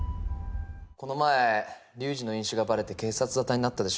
この前龍二の飲酒がバレて警察沙汰になったでしょ？